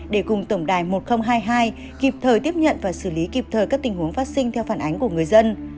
để cùng tổng đài một nghìn hai mươi hai kịp thời tiếp nhận và xử lý kịp thời các tình huống phát sinh theo phản ánh của người dân